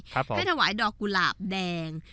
ให้ถวายดอกกุหลาบแดง